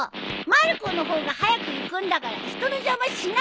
まる子の方が早く行くんだから人の邪魔しないでよ！